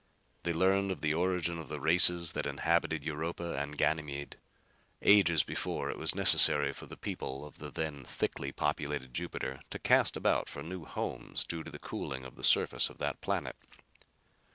They learned of the origin of the races that inhabited Europa and Ganymede. Ages before, it was necessary for the peoples of the then thickly populated Jupiter to cast about for new homes due to the cooling of the surface of that planet.